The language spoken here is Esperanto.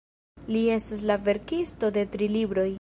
Li estas la verkisto de tri libroj.